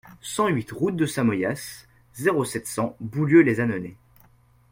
cent huit route de Samoyas, zéro sept, cent, Boulieu-lès-Annonay